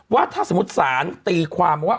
ว่าถ้าสมมุติศาลตีความว่า